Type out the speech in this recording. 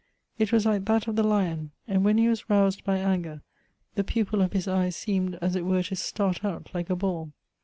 It was like that of the lion ; and when he was roused by anger, the pupil of his eye seemed as it were to start out like a ball.